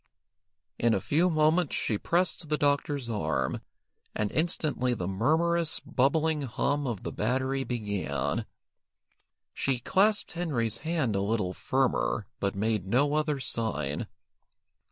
In a few moments she pressed the doctor's arm, and instantly the murmurous, bubbling hum of the battery began. She, clasped Henry's hand a little firmer, but made no other sign.